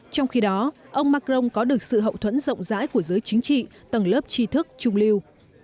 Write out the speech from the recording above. trong khi đó ông macron có được sự hậu thuẫn rộng rãi của giới chính trị tầng lớp tri thức trung lưu